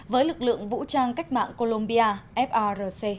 với lực lượng vũ trang cách mạng colombia frc